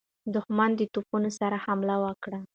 دښمن د توپونو سره حمله وکړه.